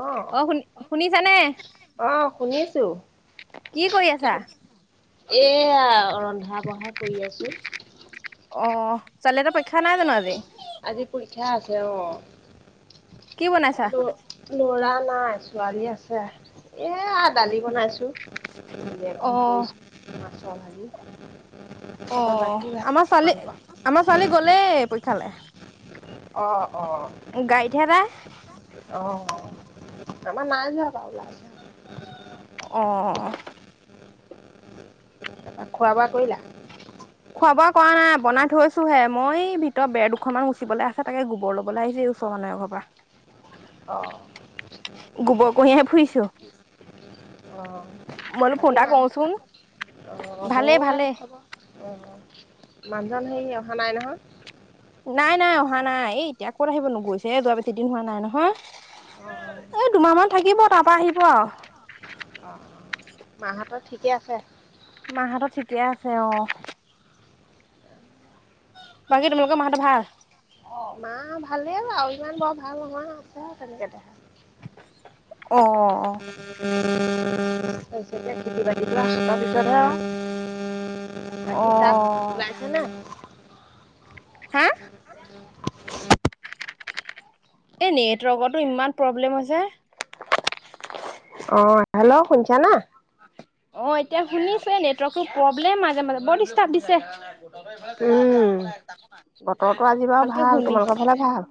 অঁ। অ শুনি শুনিছানে অঁ শুনিছোঁ কি কৰি আছা এয়া ৰন্ধা বঢ়া কৰি আছোঁ। অ', ছোৱালীহঁতৰ পৰীক্ষা নাই জানো আজি? আজি পৰীক্ষা আছে অঁ। কি বনাইছা ল'ৰাৰ নাই, ছোৱালীৰ আছে, এয়া দালি বনাইছো। অ [unintelligible] অহ, বাকী ভাল আমাৰ ছোৱালী, তোমালোকৰ? আমাৰ ছোৱালী গ'লেই পৰীক্ষালৈ। অ অ। গাড়ীত হে যায়। অ অ আমাৰ নাই যোৱা বাৰু ওলাইছে। অ'। খোৱা বোৱা কৰিলা? খোৱা বোৱা কৰা নাই। বনাই থৈছোহে, মই ভিতৰত বেৰ দুখ মান মুচিবলৈ আছে, তাকে গোবৰ ল'বলৈ আহিছো। ওচৰৰ মানুহ এঘৰৰ পৰা। অ'। গোবৰ কঢ়িয়াই ফুৰিছোঁ। অ', বোলো ফোন বাকী এটা মা, কৰোচোন অ' ভালেই মোৰ এই ভালেই খবৰ অ', মানুহজন হেৰি অহা নাই নহয়? নাই নাই অহা নাই, এই এতিয়া ক'ত আহিব, গৈছে যোৱা বেছিদিন হোৱা নাই নহয়। অ', অ', এই দুমাহ মান থাকিব, তাৰপৰা আহিব আৰু। অ অ, মাহঁতৰ ঠিকে আছে? মাহঁতৰ ঠিকে আছে অঁ। বাকী তোমালোকৰ মাহঁতৰ ভাল? মাঁ ভালেই আৰু ইমান বৰ ভাল নহয় আছে আৰু তেনেকে দে। অহ তাৰ পিছতে খেতি বাতিটো আৰু সাতৰ পিছত হে আৰু বাকী অ তাত ওলাইছে নাই হা [unintelligible] এই নেটৱৰ্কতো ইমান প্ৰব্লেম হৈছে। অ হেল্ল' শুনিছা না? অ এতিয়া শুনিছে নেটৱৰ্কটো প্ৰব্লেম মাজে মাজে বৰ ডিষ্টাৰ্ব দিছে। উম বতৰটো আজি বাৰু ভালকে ভাল, শুনি তোমালোকৰ ফালে ভাল?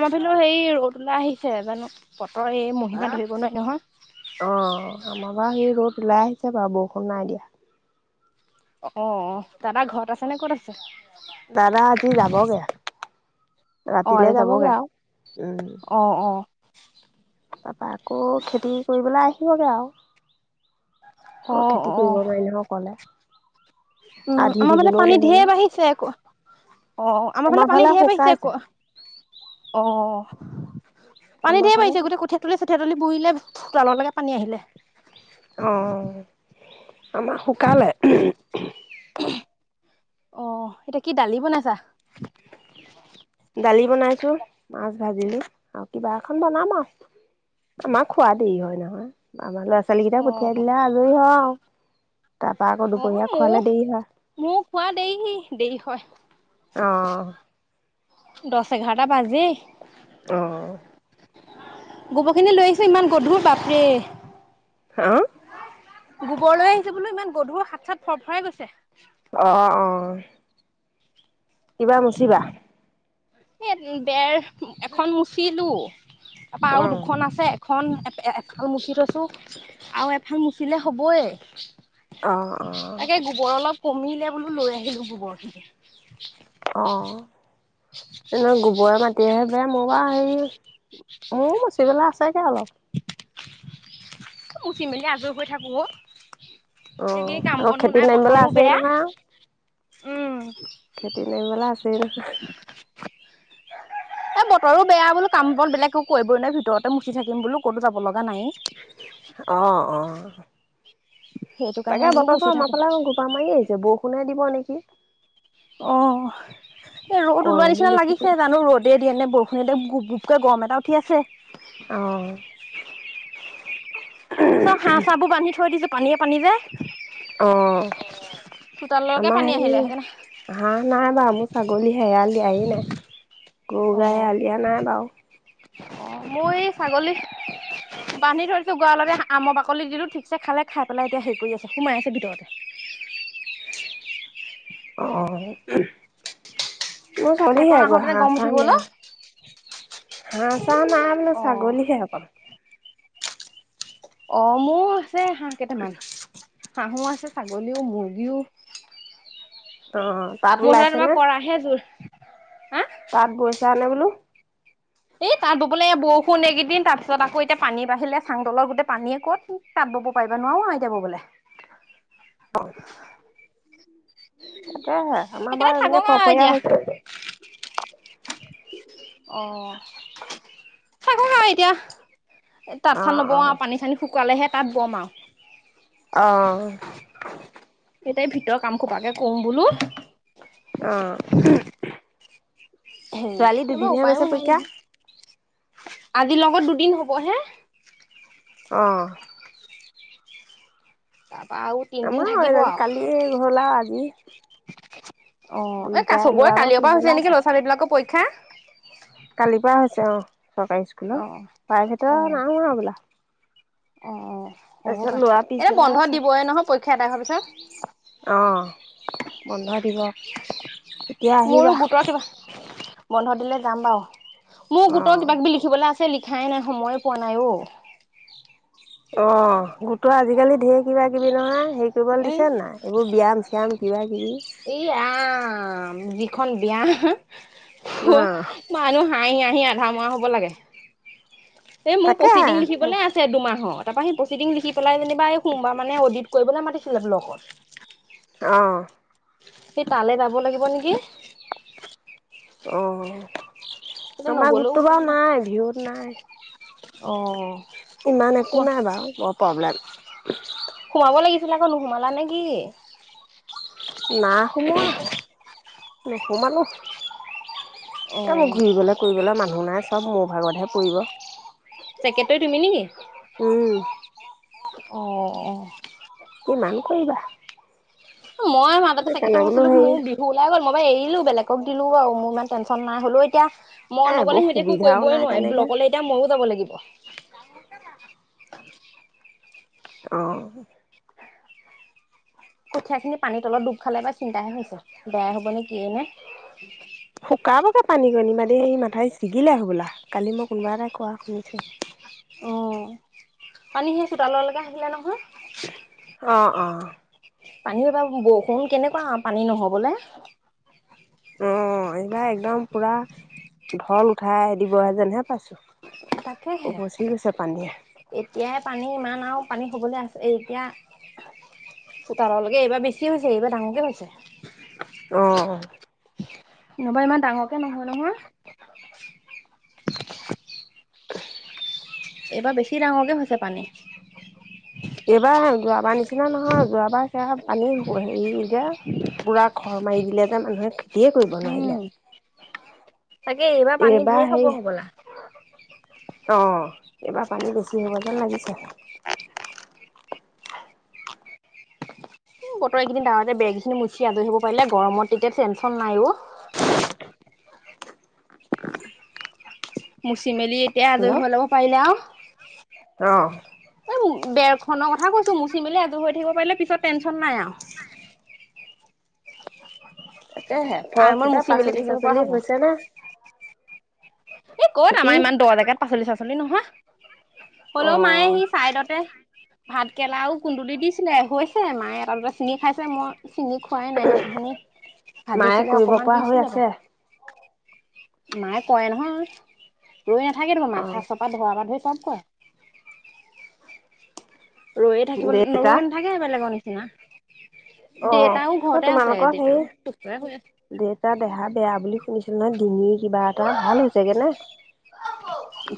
আমাৰ ফালে সেই ৰ'দ ওলাই আহিছে জানো বতৰ এই মহিমা ধৰিব নোৱাৰি নহয়। অঁ আমাৰ বা সেই ৰ'দ ওলাই আহিছে বাৰু বৰষুণ নাই দিয়া। অ অ দাদা ঘৰত আছে নে ক'ত আছে? দাদা আজি যাবগে ৰাতিলে যাবগে আও উম। অঁ অঁ তাৰপৰা আকৌ খেতি কৰিবলৈ আহিবগৈ আও। অ আকৌ খেতি অ কৰিব নোৱাৰি নহয় অকলে। উম আধি আমাৰ মানে দিবলৈও পানী ঢেৰ নহ'লে বাঢ়িছে আকৌ। অ আমাৰ ফালে পানী ঢেৰ বাঢ়িছে আকৌ। অ পানী আমাৰ ঢেৰ ফালে বাঢ়িছে গোটেই কঠীয়া তলি চঠিয়া তলি বোৰিলে চোতাললৈকে পানী আহিলে। অ আমাৰ শুকালে। অ' এতিয়া কি দালি বনাইছা? দালি বনাইছোঁ, মাছ ভাজিলোঁ আৰু কিবা এখন বনাম আও। আমাক খোৱা দেৰি হয় নহয়, আমাৰ ল'ৰা ছোৱালী অ কেইটাক অ পঠিয়াই দিলে আজৰি হও। অ' মোৰ হয়। মোক খোৱা দেহি দেৰি হয়। অ' দছ এঘাৰটা বাজেই। অ'। গোবৰখিনি লৈ আহিছোঁ, ইমান গধুৰ বাপৰে। হা? গোবৰলৈ আহিছোঁ বোলো ইমান গধুৰ, হাত চাত ফৰফৰাই গৈছে। অ', অ'। কিবা মচিবা? সেই বেৰ এখন মুচিলো, তাৰপা আৰু অ' দুখন আছে। দুখন এ-একফাল মুচি থৈছোঁ আৰু এফাল মুচিলে হ'বয়ে। অ' অ' তাকে গোবৰ অলপ কমিলে বোলো লৈ আহিলোঁ গোবৰখিনি। অ' এনে গোবৰে মাটিহে বে মোৰ বা সেই মোৰ মচিবেলে আছেগে অলপ। উ, মুচি মেলি আজৰি হৈ থাকোঁ অ'। এই অ' কেনি কাম আকৌ বনো খেতিত নাই, নামিবলৈ বতৰো আছেই বেয়া, নহয় উম। খেতি নামিবলে আছেই নহয়। এ, বতৰো বেয়া বোলো কাম বন বেলেগ একো কৰিবই নাই, ভিতৰতে মুচি থাকিম বোল ক'তো যাব লগা নায়েই। অ', অ'। সেইটো কাৰণে তাকে বোলো মুচি বতৰটো আমাৰ থাকো ফালে গোপা মাৰি আহিছে, বৰষুণে দিব নেকি। অ' এই ৰ'দ ওলোৱা গৰমো নিচিনা বেছি লাগিছে, পৰিছে জানো ৰ'দ দে দিয়ে নে বৰষুনে দিয়ে গু গুপকে গৰম এটা উঠি আছে। অ চব হাঁহ চাহবোৰ বান্ধি থৈ দিছোঁ পানীয়ে পানী যে। অ' চোতাললৈকে আমাৰ পানী হেই আহিলে সেইকাৰণে হাঁহ নাই বাৰু মোৰ ছাগলী এৰাল দিয়া এৰিলে, গৰু অ গাই এৰাল দিয়া নাই বাৰু। অ' মোৰ এই ছাগলী বান্ধি থৈছোঁ গৰালতে আমৰ বাকলি দিলোঁ, ঠিকছে খালে খাই পেলাই এতিয়া হেৰি কৰি আছে সোমাই আছে ভিতৰতে। অ' মোৰ ছাগলী এইকণ হে আকৌ, আহোতেনে হাহঁ গৰম উঠি চাহঁ গ'ল নাই। বাহঁৰ চাহঁ নাই বোলো অ ছাগলীহে অকল। অ' মোৰ আছে হাঁহ কেইটামান, হাঁহো আছে, ছাগলীও, মুৰ্গীও। অ তাত মুঠতে ওলাইছে তোমাৰ নে কৰাহে জোৰ, হা? তাত গৈছা হেলে বোলো। এই তাত ববলে এয়া বৰষুণ এইকেইদিন তাৰপিছত আকৌ এতিয়া পানী বাঢ়িলে, চাংডলৰ গোটেই পানীয়ে ক'তনো তাত ব'ব পাৰিবা, নোৱাৰো এতিয়া ব'বলে। অ তাকেহে আমাৰ সেইকাৰণে বাৰু এইপিনে থাকক আৰু ফৰপৰীয়া এতিয়া হৈছে। [inaudible] অ', থাকক আৰু এতিয়া। এ, তাত অ সাল অ নবওঁ আৰু পানী চানি শুকালেহে তাত ব'ম আৰু। অ'। এতিয়া ভিতৰৰ কাম সোপাকে কৰোঁ বোলো। অ'। ছোৱালী দুদিনহে উপায়ো গৈছে নাই পৰীক্ষা নহয়। আজিৰ লগত দুদিন হ'বহে। অ। [unintelligible] আমাৰো থাকিব এইজনী আৰু কালিয়ে গ'ল আৰু আজি অ, এই দুইটা চবৰে ল'ৰা বাৰু কালিৰ পৰা পিছবেলা হৈছে নেকি, আছে ল'ৰা-ছোৱালী বিলাকৰ পৰীক্ষা! কালিৰ পৰা হৈছে অ, চৰকাৰী স্কুলত, অ' প্ৰাইভেটৰ অ' নাই হোৱা হ'বলা। অ, অ, হব তাৰপিছত পাৰে। ল'ৰা এ, পিছবেলা বন্ধ আছে দিবইে নহয়, পৰীক্ষা এদাই হোৱাৰ পিছত। অঁ, বন্ধ দিব। তেতিয়া মোৰো আহিবা গোটৰ কিবা, বন্ধ দিলে যাম বাৰু! মোৰ অ গোটৰ কিবা-কিবি লিখিবলৈ আছে। লিখাই নাই, সময়েই পোৱা নাই অ'। অ, গোটৰ আজিকালি ঢেৰ কিবা-কিবি নহয়। হেৰি কৰিবলৈ এ দিছে নাই, এইবোৰ ব্যায়াম-চ্যায়ম কিবা-কিবি! এই ৰাম যিখন ব্যায়াম অ হ'ল মানুহ হাঁহি-হাঁহি আধা মৰা হ'ব লাগে। এই মোৰ তাকে প্ৰচিডিং লিখিবলৈ আছে দুমাহৰ। তাৰপৰা সেই প্ৰচিং লিখি পেলাই যেনিবা, এই সোমবাৰ মানে অডিত কৰিবলৈ মাতিছিল ব্ললকত। অ। সেই তালৈ যাব লাগিব নেকি! অ, কিন্তু আমাৰ নগলেও গোটটো উপায় বাৰু নাই, ভিঅ'ত নাই। অ। ইমান একো সোমা নাই বাৰু বৰ প্ৰব্লেম। সোমাব লাগিছিলে আকৌ, নোসোমালা নে কি! নাই সোমোৱা, নোসোমালো। অ এই মোৰ ঘূৰিবলৈ কৰিবলৈ মানুহ নাই, চব মোৰ ভাগতহে পৰিব। চেক্ৰেটেৰী তুমি নেকি! উম, অ, অ। কিমান কৰিবা। মই মাজতে সেইকাৰণে চেক্ৰেটেৰী বোলো হৈছিলো, হেৰি এ মোৰ ওলাই গ'ল, মই বাৰু এৰিলো, বেলেগক দিলো আৰু মোৰ ইমান টেনশ্যন নাই, হ'লেও এতিয়া মই এইবোৰ নগ'লে সিহঁতি একো সুবিধাও নাই কৰিবই নোৱাৰি, তেনেকে অ', ব্লকলে এতিয়া ময়ো যাব লাগিব। [unintelligible] অঁ। কঠীয়াা খিনি পানী তলত ডুব খালে পায়, চিন্তাহে হৈছে, বেয়া হ'ব নে কিয়ে নে! শুকাবগে পানী [unintelligible] মাথাউৰিচ ছিগিলে হ'বলা! কালি মই কোনোবা এটাই কোৱা শুনিছো। অ, পানী সেই চোতালৰ লেকে আহিলে নহয়! অ, অ। পানী এইবাৰ, বৰষুণ কেনেকুৱা, পানী নহ'বলৈ। অ, এইবাৰ একদম পুৰা ঢল উঠাই দিবহে যেনহে পাইছো। তাকেহে। এতিয়াহে পানী ইমান আৰু পানী হ'বলৈ আছে, এতিয়া চোতাললেকে, এইবাৰ বেছি হৈছে, এইবাৰ ডাঙৰকে হৈছে। অ, অ। নহ'বা ইমান ডাঙৰকে নহয় নহয়। এইবাৰ বেছি ডাঙৰকে হৈছে পানী। এইবাৰ হেই যোৱাবাৰ নিচিনা নহয়, যোৱাবাৰ সেয়া পানী হেৰি যে পুৰা খৰ মাৰি দিলে যে মানুহে, খেতিয়ে কৰিব নোৱাৰিলে। তাকেই এইবাৰ পানী ঢেৰ হ'ব হবলা। অঁ এইবাৰ পানী বেছি হ'ব যেন লাগিছে। উম বতৰ এইকেইদিন দাৱৰীয়াতে বেৰ খিনি মুচি আজৰি হ'ব পাৰিলে গৰমত তেতিয়া টেনছন নাই অ মুচি মেলি এতিয়া হেল্ল' আজৰি হৈ ল'ব পাৰিলে আৰু অ এই বেৰখনৰ কথা কৈছো মুচি মেলি আজৰি হৈ থাকিব পাৰিলে পিছত টেনচন নাই আৰু। [inaudible] তাকে হে ঘৰত আৰামত কিবা মুচি মেলি পাচলি থাকিব পৰা চাচলি হ'ব। হৈছে নে? এই ক'ত খেতি? আমাৰ ইমান দ জেগাত পাচলি চাচলি নহয়। অ হ'লেও মাইয়ে সেই চাইডতে ভাত কেৰেলা আৰু কুন্দুলি দিছিলে হৈছে মায়ে এটা দুটা চিঙি খাইছে মই চিঙি খোৱাই নাই সেইদিনাখনি মায়ে ভাজিছিলে কৰিব অকমান পৰা হৈ দিছিলে বাৰু। আছে মায়ে কয় নহয় ৰৈ নাথাকে দেখোন অ [unintelligible] তাক কোৱা ৰৈ থাকিব ন দেউতা ৰৈ নাথাকে বেলেগৰ নিচিনা অ দেউতাও অ ঘৰতে আছে তোমালোকৰ হেৰি দেউতাও ওচৰতে শুই আছে দেউতা দেহা বেয়া বুলি শুনিছিলো নহয় ডিঙি কিবা এটা ভাল হৈছেগে নে?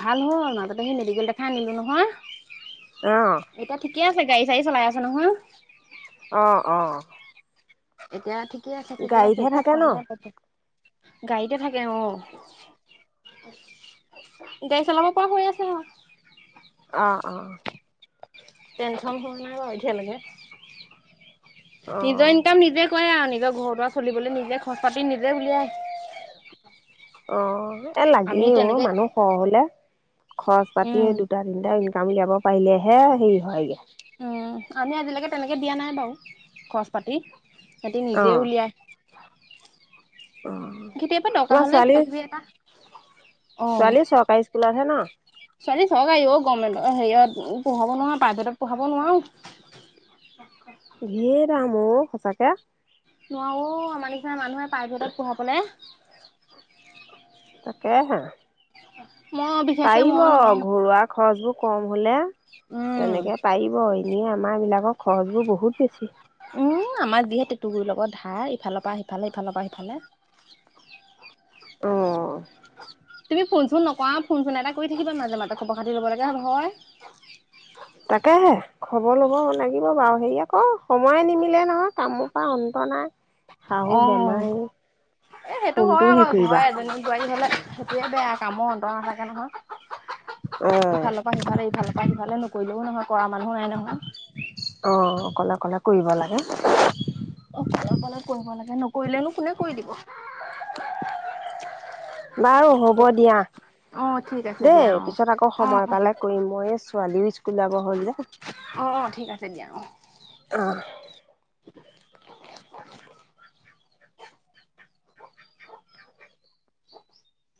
ভাল হ'ল মাজতে সেই মেডিকেল দেখাই আনিলো নহয়। অঁ এতিয়া ঠিকেই আছে গাড়ী চাড়ী চলাই আছে নহয়। অ অ। এতিয়া ঠিকে আছে ঠিকে আছে গাড়ীতহে একো থাকে খোৱা ন নাই ত গাড়ীতে থাকে অ। গাড়ী চলাব পৰা হৈ আছে দেখোন অ অ। টেনচন হোৱা নাই বাৰু এতিয়ালৈকে। অ নিজৰ ইনকাম নিজে কৰে আৰু নিজৰ ঘৰ দূৱাৰ চলিবলৈ নিজে খৰচ‌ পাতি নিজেই উলিয়াই। অ এ আমি লাগেই অ তেনেকে মানুহ সৰহ হলে খৰচ পাতি উম এই দুটা তিনটা ইনকাম উলিয়াব পাৰিলেহে হেৰি হয়গে। উম, আমি আজিলৈকে তেনেকে দিয়া নাই বাৰু খৰচ পাতি সিহঁতি অ নিজে উলিয়াই। অ কেতিয়াবা দৰকাৰ তোমাৰ হ'লে ছোৱালী কিবা কিবি এটা অ ছোৱালী চৰকাৰী স্কুলতহে ন? ছোৱালী চৰকাৰী অ গভমেণ্টৰ হেৰিয়ত পঢ়াব নোৱাৰো প্ৰাইভেটত পঢ়াব নোৱাৰো। ঢেৰ দাম অ সঁচাকে। নোৱাৰো অ‌ আমাৰ নিচিনা মানুহে প্ৰাইভেটত পঢ়াবলে। তাকে হে। মই বিশেষকে পাৰিব মই নোৱাৰো ঘৰুৱা খৰচবোৰ কম হলে উম তেনেকে পাৰি অ এনেই আমাৰ এইবিলাকৰ খৰচবোৰ বহুত বেছি। উম আমাৰ যিহে টেটো গুৰিৰ লৈকে ধাৰ ইফালৰ পৰা সিফালে ইফালৰ পৰা সিফালে [inaudible] অঁ তুমি ফোন চোন নকৰা ফোন চোন এটা কৰি থাকিবা মাজে মাজতে খবৰ খাতি ল'ব লগীয়া হয়। তাকেহে খবৰ ল'ব লাগিব বাৰু হেৰি আকৌ সময়ে নিমিলে নহয় কাম ৰ পৰা অন্ত নাই। শাহু অঁ বেমাৰী এই সেইটো কোনটো হয় আক, হেৰি ঘৰে কৰিবা এজনী বোৱাৰী হ'লে সেইটোৱে আৰু কামৰ অন্ত নাথাকে নহয়। অ ইফালৰ পৰা সিফালে ইফালৰ পৰা সিফালে নকৰিলেও নহয় কৰা মানুহো নাই নহয়। অ', অকলে, অকলে কৰিব লাগে। অকলে, অকলে কৰিব লাগে নকৰিলেনো কোনে কৰি দিব। বাৰু হ'ব দিয়া। অ', ঠিক আছে। দিয়া দেই অ পিছত আকৌ অ সময় পালে কৰিম মই এই ছোৱালীও স্কুল যাব হ'ল যে। অ', ঠিক আছে দিয়া অ'। অ'। [unintelligible] অ' [unintelligible]